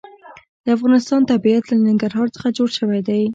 د افغانستان طبیعت له ننګرهار څخه جوړ شوی دی.